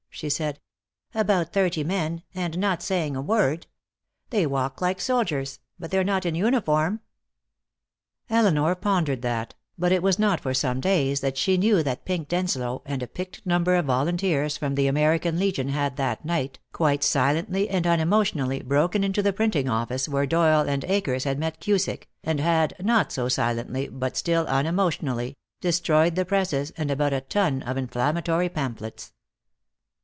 she said. "About thirty men, and not saying a word. They walk like soldiers, but they're not in uniform." Elinor pondered that, but it was not for some days that she knew that Pink Denslow and a picked number of volunteers from the American Legion had that night, quite silently and unemotionally, broken into the printing office where Doyle and Akers had met Cusick, and had, not so silently but still unemotionally, destroyed the presses and about a ton of inflammatory pamphlets.